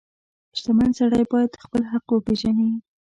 • شتمن سړی باید خپل حق وپیژني.